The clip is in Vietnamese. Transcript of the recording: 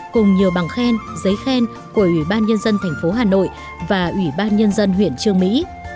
cùng nhiều bằng khen giấy khen của ủy ban nhân dân thành phố hà nội và ủy ban nhân dân huyện trương mỹ